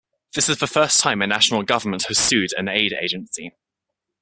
This is the first time a national government has sued an aid agency.